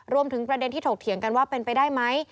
ประเด็นที่ถกเถียงกันว่าเป็นไปได้ไหม